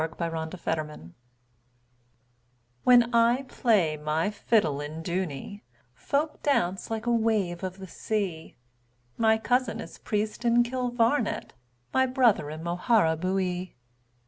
The Fiddler of Dooney WHEN I play on my fiddle in Dooney, Folk dance like a wave of the sea; My cousin is priest in Kilvarnet, My brother in Moharabuiee.